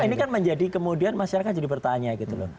ini kan menjadi kemudian masyarakat jadi bertanya gitu loh